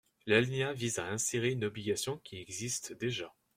L’alinéa vise à insérer une obligation qui existe déjà.